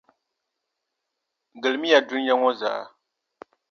Gilimiya dunia ŋɔ zaa!